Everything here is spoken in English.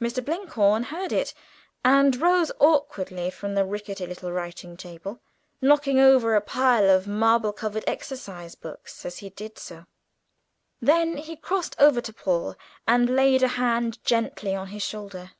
Mr. Blinkhorn heard it, and rose awkwardly from the rickety little writing table, knocking over a pile of marble covered copy books as he did so. Then he crossed over to Paul and laid a hand gently on his shoulder.